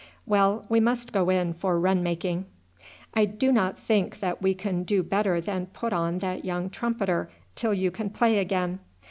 Well, we must go in for run making. "I do not think that we can do better than put on that young trumpeter till you can play again.